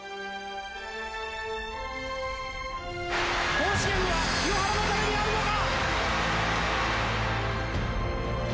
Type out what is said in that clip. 甲子園は清原のためにあるのか！